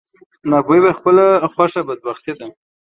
ناپوهي په خپله خوښه بدبختي ده.